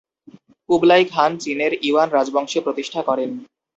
কুবলাই Khan চীনের Yuan রাজবংশ প্রতিষ্ঠা করেন।